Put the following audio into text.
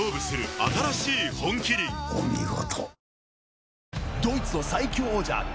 お見事。